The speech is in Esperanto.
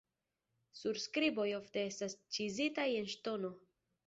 Surskriboj ofte estas ĉizitaj en ŝtono.